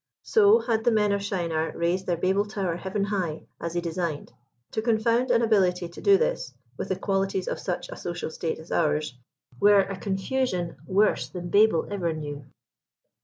So, had the men of Shinar raised their Babel tower heaven high, as they designed ; to confound an ability to do this, with the qualities of such a social state as ours, were a confusion worse than Babel ever knew.